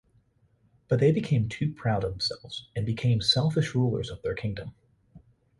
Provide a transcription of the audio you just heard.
But they became too proud of themselves and became selfish rulers of their kingdom.